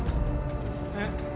えっ。